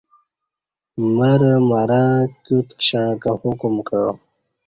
مرہ مرں کیوت کشݩع کہ حکم کعا